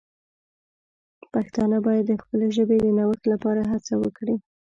پښتانه باید د خپلې ژبې د نوښت لپاره هڅه وکړي.